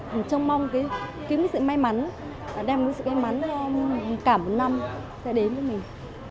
mình trông mong kiếm cái sự may mắn đem cái sự may mắn cả một năm sẽ đến với mình